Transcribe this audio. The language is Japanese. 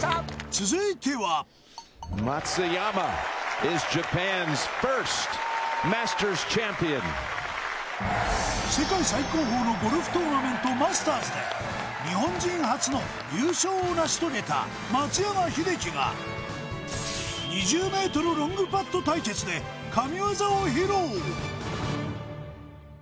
続いては世界最高峰のゴルフトーナメントマスターズで日本人初の優勝を成し遂げた松山英樹が２０ｍロングパット対決で神業を披露！